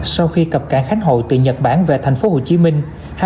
sau khi cập cảng khánh hội từ nhật bản về thành phố hồ chí minh